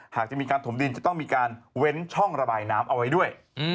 หากจะมีการถมดินจะต้องมีการเว้นช่องระบายน้ำเอาไว้ด้วย